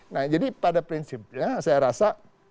nah jadi pada prinsipnya saya rasa